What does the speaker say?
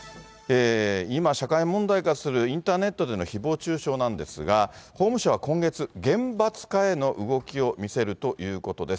今、社会問題化するインターネットでのひぼう中傷なんですが、法務省は今月、厳罰化への動きを見せるということです。